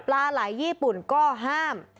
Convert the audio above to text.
ปลาไหลญี่ปุ่นก็ห้าม